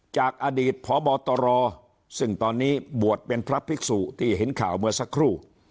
จากอดีตพบตรซึ่งตอนนี้บวชเป็นพระภิกษุที่เห็นข่าวเมื่อสักครู่